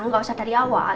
gak usah dari awal